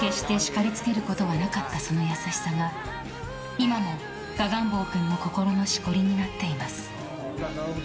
決してしかりつけることはなかった、その優しさが今も我蛾ん坊君の心のしこりになっています。